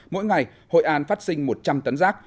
mỗi ngày hội an phát sinh một trăm linh tấn rác